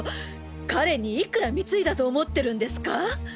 彼にいくら貢いだと思ってるんですか！？